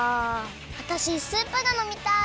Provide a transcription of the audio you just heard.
わたしスープがのみたい！